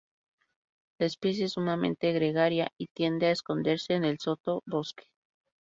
La especie es sumamente gregaria y tiende a esconderse en el soto bosque.